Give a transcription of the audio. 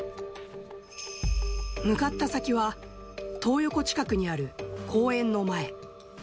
向かった先は、トー横近くにある公園の前。